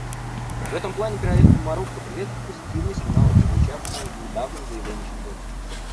В этом плане Королевство Марокко приветствует позитивные сигналы, прозвучавшие в недавнем заявлении «четверки».